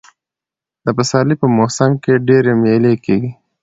د پسرلي په موسم کښي ډېرئ مېلې کېږي.